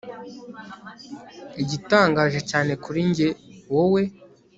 igitangaje cyanjye kuri njye wowe